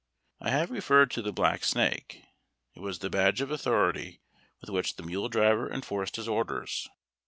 I have referred to the Black Snake. It was the badge of authority with which the mule driver enforced his orders.